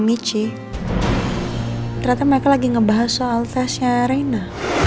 nici ternyata mereka lagi ngebahas soal tesnya reina